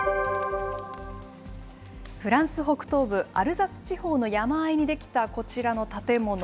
フランス北東部、アルザス地方の山あいに出来たこちらの建物。